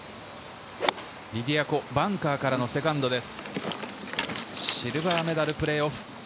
リディア・コ、バンカーからのセカンドです。